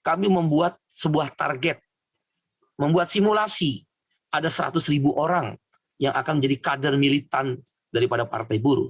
kami membuat sebuah target membuat simulasi ada seratus ribu orang yang akan menjadi kader militan daripada partai buruh